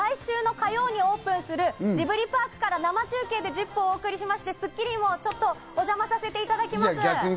今日はですね、間もなく来週の火曜にオープンするジブリパークから生中継で『ＺＩＰ！』をお送りしまして、『スッキリ』もちょっとお邪魔させていただきます。